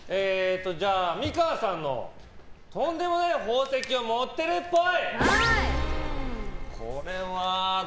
美川さんの、とんでもない宝石持ってるっぽい！